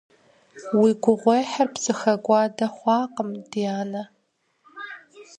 Уи гугъуехьыр псэхэкӀуадэ хъуакъым, ди анэ.